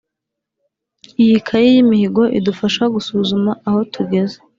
Iyi kayi y’imihigo idufasha gusuzuma aho tugeze